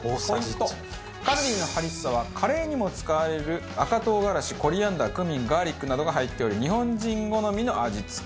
ＫＡＬＤＩのハリッサはカレーにも使われる赤唐辛子コリアンダークミンガーリックなどが入っており日本人好みの味付け。